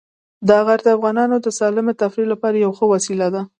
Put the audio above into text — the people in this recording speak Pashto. دا غر د افغانانو د سالمې تفریح لپاره یوه ښه وسیله ده.